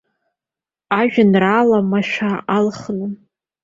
Ажәеинрааламашәа алхын.